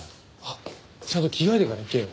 ちゃんと着替えてから行けよ？